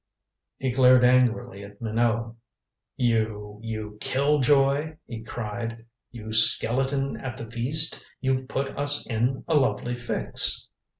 He glared angrily at Minot. "You you killjoy," he cried. "You skeleton at the feast. You've put us in a lovely fix."